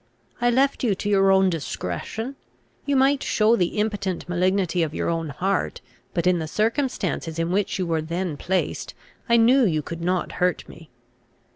I left you to your own discretion. You might show the impotent malignity of your own heart; but, in the circumstances in which you were then placed, I knew you could not hurt me.